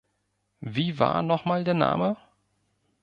Wie war nochmal der Name?